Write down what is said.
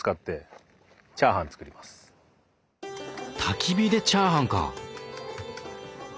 たき火でチャーハンか！